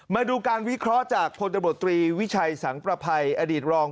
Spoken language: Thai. มาดูการวิเคราะห์จากพลตบตรีวิชัยสังประภัยอดีตรอง